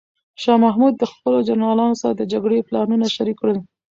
شاه محمود د خپلو جنرالانو سره د جګړې پلانونه شریک کړل.